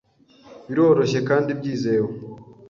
Biroroshye kandi byizewe.